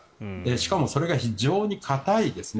しかも、それが非常に硬いですね。